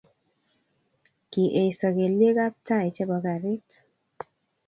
Kiyesyo kelyekab tai chebo karit